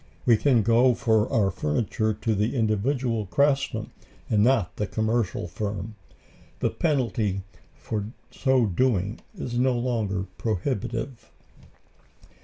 We can go for our furniture to the individual craftsman and not the commercial firm. The penalty for so doing is no longer prohibitive.